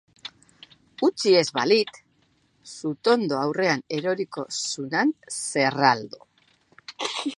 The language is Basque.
Utzi ez balit, sutondo aurrean eroriko zunan zerraldo.